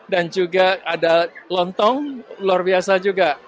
dan juga ada lontong luar biasa juga